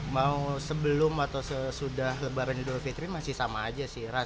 mau sebelum atau sesudah lebaran idul fitri masih sama aja sih